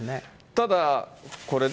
ただ、これね。